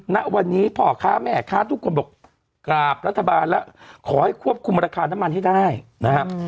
ณวันนี้พ่อค้าแม่ค้าทุกคนบอกกราบรัฐบาลแล้วขอให้ควบคุมราคาน้ำมันให้ได้นะครับ